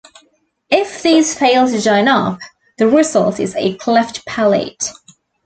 If these fail to join up, the result is a cleft palate.